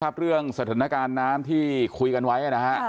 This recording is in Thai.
เรื่องสถานการณ์น้ำที่คุยกันไว้นะฮะ